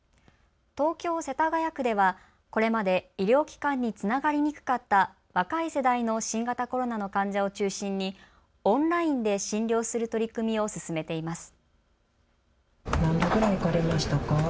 東京世田谷区では、これまで医療機関につながりにくかった若い世代の新型コロナの患者を中心にオンラインで診療する取り組みを進めています。